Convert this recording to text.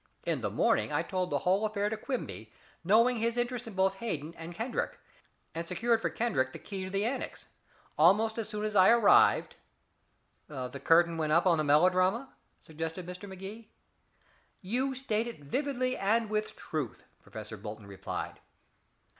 In the morning I told the whole affair to Quimby, knowing his interest in both Hayden and Kendrick, and secured for Kendrick the key to the annex. Almost as soon as I arrived " "The curtain went up on the melodrama," suggested Mr. Magee. "You state it vividly and with truth," Professor Bolton replied.